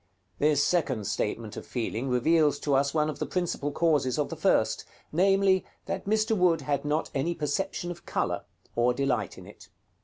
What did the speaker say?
This second statement of feeling reveals to us one of the principal causes of the first; namely, that Mr. Wood had not any perception of color, or delight in it.